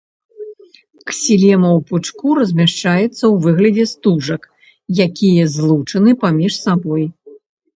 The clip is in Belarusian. Ксілема ў пучку размяшчаецца ў выглядзе стужак, якія злучаны паміж сабой.